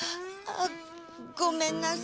ごめんなさい。